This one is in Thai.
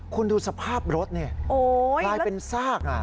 คุณดูสภาพรถนี่กลายเป็นซาก